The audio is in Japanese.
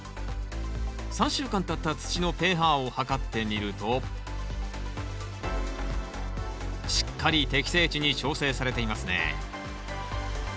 ３週間たった土のｐＨを測ってみるとしっかり適正値に調整されていますね